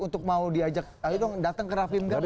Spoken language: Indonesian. untuk mau diajak ayo dong datang ke rapi minggap